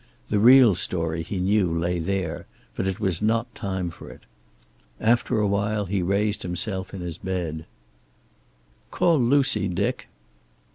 The real story, he knew, lay there, but it was not time for it. After a while he raised himself in his bed. "Call Lucy, Dick."